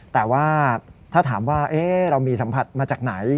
แต่ว่าถ้าถามว่าเรามีสัมผัสมาจากไหน